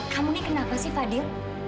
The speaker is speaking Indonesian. kamu ini kenapa sih fadil